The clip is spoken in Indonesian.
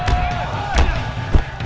terima kasih pak